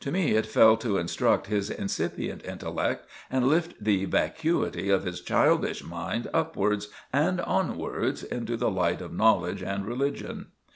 To me it fell to instruct his incipient intellect and lift the vacuity of his childish mind upwards and onwards into the light of knowledge and religion.